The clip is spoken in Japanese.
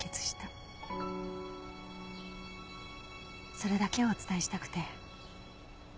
それだけをお伝えしたくて。